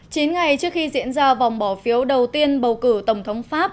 chín ngày trước khi diễn ra vòng bỏ phiếu đầu tiên bầu cử tổng thống pháp